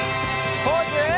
ポーズ！